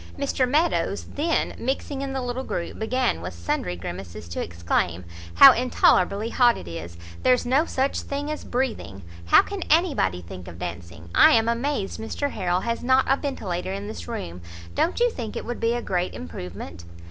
Mr Meadows then, mixing in the little group, began, with sundry grimaces, to exclaim "how intolerably hot it is! there's no such thing as breathing. How can anybody think of dancing! I am amazed Mr Harrel has not a ventilator in this room. Don't you think it would be a great improvement?"